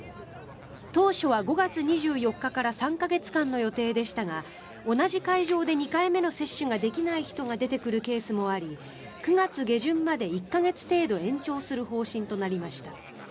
当初は５月２４日から３か月間の予定でしたが同じ会場で２回目の接種ができない人が出てくるケースもあり９月下旬まで１か月程度延長する方針となりました。